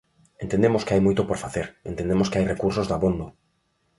Entendemos que hai moito por facer, entendemos que hai recursos dabondo.